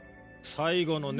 最後のね